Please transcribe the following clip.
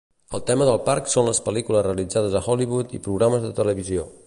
El tema del parc són les pel·lícules realitzades a Hollywood i programes de televisió.